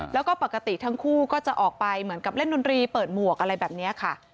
แล้วก็ปกติทั้งคู่ก็จะออกไปเหมือนกับเล่นดนตรีเปิดหมวกอะไรแบบนี้ค่ะ